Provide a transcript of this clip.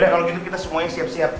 yaudah kalo gitu kita semuanya siap siap